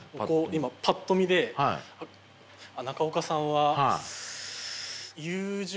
今パッと見で中岡さんはあ。